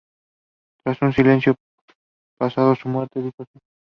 Tras un silencio pesado, su madre dijo: “Sí.